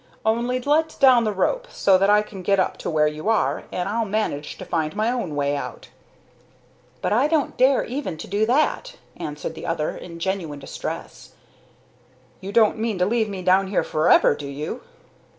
Only let down the rope, so that I can get up to where you are, and I'll manage to find my own way out." "But I don't dare even to do that," answered the other, in genuine distress. "You don't mean to leave me down here forever, do you?"